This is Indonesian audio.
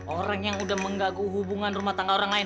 orang yang udah menggaguh hubungan rumah tangga orang lain